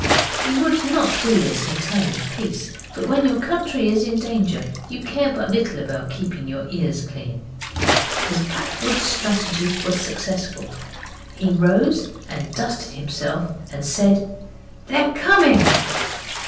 You would not do this in time of peace, but when your country is in danger you care but little about keeping your ears clean. His backwoods' strategy was successful. He rose and dusted himself and said 'They're coming!